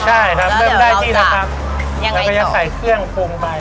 ใช่ครับเริ่มได้ที่แล้วครับแล้วก็จะใส่เครื่องปรุงไป